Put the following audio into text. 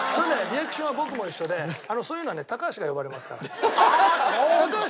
リアクションは僕も一緒でそういうのはね高橋が呼ばれますから。